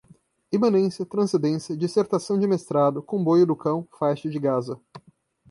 imanência, transcendência, dissertação de mestrado, comboio do cão, faixa de gaza